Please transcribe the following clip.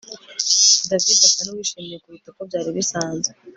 David asa nuwishimye kuruta uko byari bisanzwe